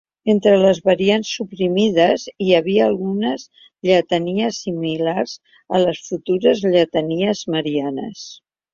Entre les variants suprimides, hi havia algunes lletanies similars a les futures lletanies marianes.